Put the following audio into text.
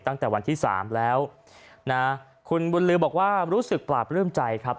ตั้งแต่วันที่สามแล้วนะคุณบุญลือบอกว่ารู้สึกปราบปลื้มใจครับ